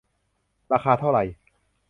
ราคาเท่าไหร ?